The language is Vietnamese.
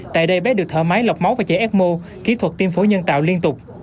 tại đây bé được thở máy lọc máu và chạy ecmo kỹ thuật tiêm phối nhân tạo liên tục